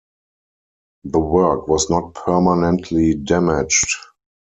The work was not permanently damaged.